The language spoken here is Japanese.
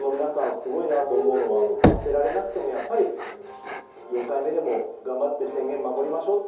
すごいなと思うのは罰せられなくてもやっぱり４回目でも頑張って宣言を守りましょうって